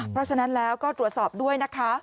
เพราะฉะนั้นแล้วก็ตรวจสอบด้วยนะคะ